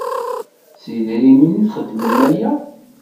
S yedrimen i txeddmem aya?